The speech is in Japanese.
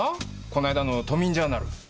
この間の『都民ジャーナル』。